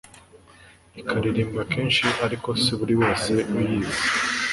ikanaririmbwa kenshi ariko si buri wese uyizi